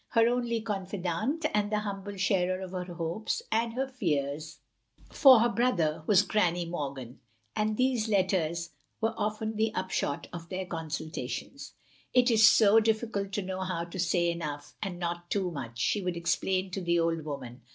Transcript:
Her only confidante and the humble sharer of her hopes and her fears for her brother was Granny Morgan, and these letters were often the upshot of their consultations. " It is so difficult to know how to say enough, and not too much, " she would explain to the old woman.